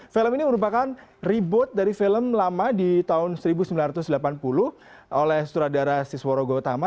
film ini merupakan reboot dari film lama di tahun seribu sembilan ratus delapan puluh oleh suradara sisworo gautama